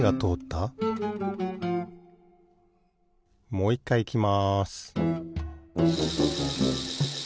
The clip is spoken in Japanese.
もういっかいいきます